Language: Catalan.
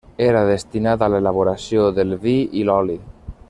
Era destinat a l'elaboració del vi i l'oli.